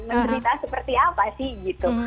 mencerita seperti apa sih gitu